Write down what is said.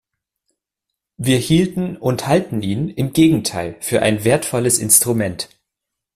Wir hielten und halten ihn im Gegenteil für ein wertvolles Instrument.